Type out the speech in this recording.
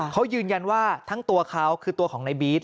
เขายืนยันว่าทั้งตัวเขาคือตัวของในบี๊ด